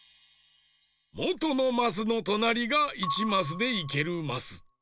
もとのマスのとなりが１マスでいけるマス。